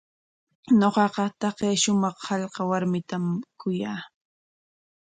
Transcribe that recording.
Ñuqaqa taqay shumaq hallqa warmitam kuyaa.